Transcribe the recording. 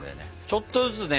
ちょっとずつね